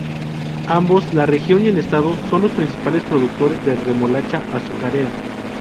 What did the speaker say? Ambos, la región y el estado, son los principales productores de remolacha azucarera.